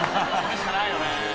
それしかないよね。